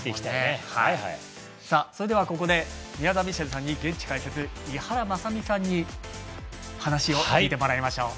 ここで宮澤ミシェルさんに現地解説、井原正巳さんに話を聞いてもらいましょう。